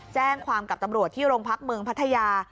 แจ้งความกับตำรวจที่โรงพักเมืองพัทยา